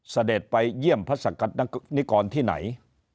เสด็จไปเยี่ยมพระสักกัษณิกรที่ไหน